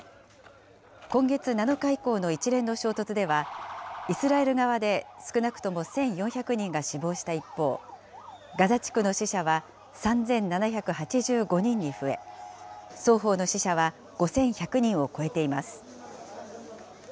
今月７日以降の一連の衝突では、イスラエル側で少なくとも１４００人が死亡した一方、ガザ地区の死者は３７８５人に増え、双方の死者は５１００人を超えています。